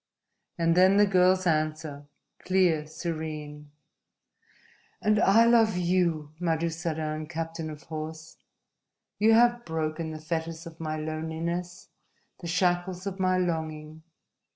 And then the girl's answer, clear, serene: "And I love you, Madusadan, captain of horse! You have broken the fetters of my loneliness, the shackles of my longing!